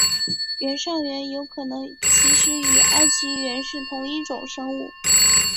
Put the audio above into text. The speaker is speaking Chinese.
原上猿有可能其实与埃及猿是同一种生物。